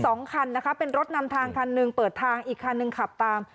สองคันนะคะเป็นรถนำทางคันหนึ่งเปิดทางอีกคันหนึ่งขับตาม